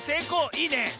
いいね。